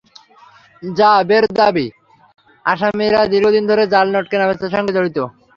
র্যা বের দাবি, আসামিরা দীর্ঘদিন ধরে জাল নোট কেনাবেচার সঙ্গে জড়িত।